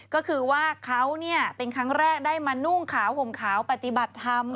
ก็คือว่าเขาเป็นครั้งแรกได้มานุ่งขาวห่มขาวปฏิบัติธรรม